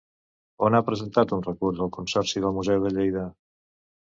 On ha presentat un recurs el Consorci del Museu de Lleida?